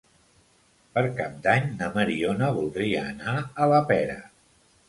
Per Cap d'Any na Mariona voldria anar a la Pera.